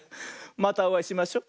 またおあいしましょ。